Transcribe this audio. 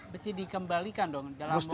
mesti dikembalikan dong dalam waktu berapa